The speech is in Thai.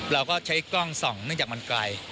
เราก็ใช้กล้องส่องเนื่องจากมันไกล